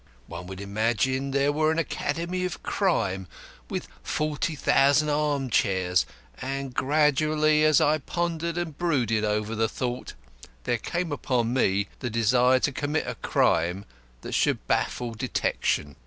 One would imagine there were an Academy of crime with forty thousand armchairs. And gradually, as I pondered and brooded over the thought, there came upon me the desire to commit a crime that should baffle detection.